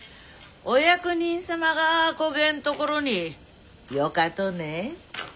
お役人様がこげんところによかとね？